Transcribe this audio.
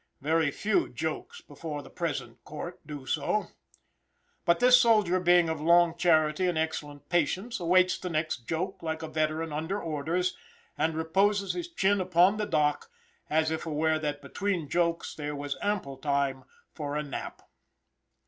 Very few jokes before the present court do so. But this soldier being of long charity and excellent patience, awaits the next joke like a veteran under orders, and reposes his chin upon the dock as if aware that between jokes there was ample time for a nap.